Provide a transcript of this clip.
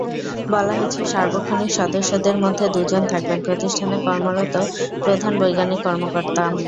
বলা হয়েছে, সার্বক্ষণিক সদস্যদের মধ্যে দুজন থাকবেন প্রতিষ্ঠানে কর্মরত প্রধান বৈজ্ঞানিক কর্মকর্তা।